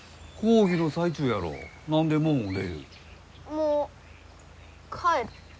もう帰る。